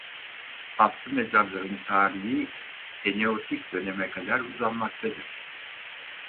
Atlı mezarların tarihi eneolitik döneme kadar uzanmaktadır.